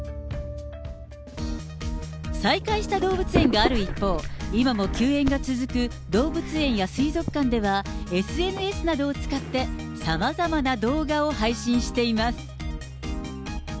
再開した動物園がある一方、今も休園が続く動物園や水族館では、ＳＮＳなどを使って、さまざまな動画を配信しています。